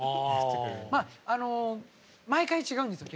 まあ毎回違うんですよ